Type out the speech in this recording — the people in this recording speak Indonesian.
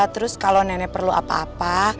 terus kalau nenek perlu apa apa